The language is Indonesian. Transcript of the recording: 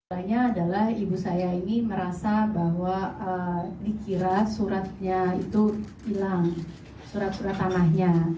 pertanyaannya adalah ibu saya ini merasa bahwa dikira suratnya itu hilang surat surat tanahnya